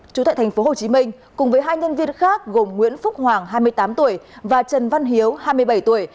chú tại tp hcm cùng với hai nhân viên khác gồm nguyễn phúc hoàng hai mươi tám tuổi và trần văn hiếu hai mươi bảy tuổi